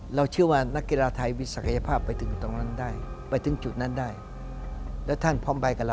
เราเชื่อว่านักกีฬาไทยมีศักยภาพไปถึงตรงนั้นได้